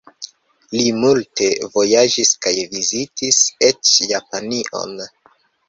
Li multe vojaĝis kaj vizitis eĉ Japanion.